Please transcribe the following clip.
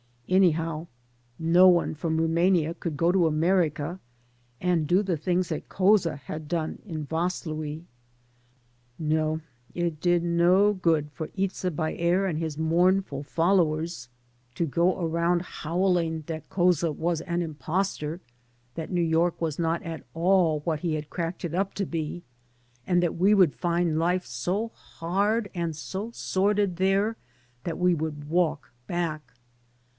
Anyhow, no one from Rumania could go to America and do the things that Couza had done in Vaslui. No, it did no good for Itza Baer and his mournful followers to go around 24 THE GOSPEL OF NEW YORK howling that Couza was an impostor, that New York was not at all what he had cracked it up to be, and that we would find life so hard and so sordid there that we would walk back.